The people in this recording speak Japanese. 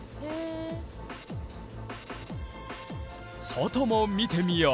外も見てみよう。